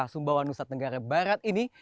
sumbawa nusa tenggara barat ini